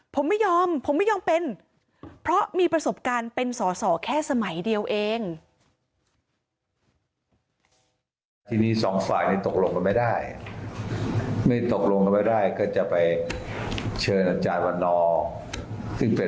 ผมไม่ยอมผมไม่ยอมเป็นเพราะมีประสบการณ์เป็นสอสอแค่สมัยเดียวเอง